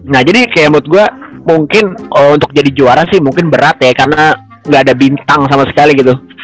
nah jadi kayak menurut gue mungkin untuk jadi juara sih mungkin berat ya karena nggak ada bintang sama sekali gitu